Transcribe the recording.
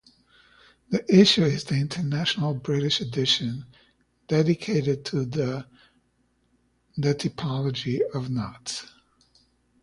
This issue is the "International British Edition", dedicated to the "The Typology of Knots".